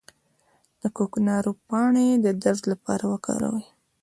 د کوکنارو پاڼې د درد لپاره وکاروئ